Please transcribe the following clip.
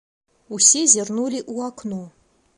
Усе зірнулі ў акно.